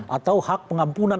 atau hak pengampunan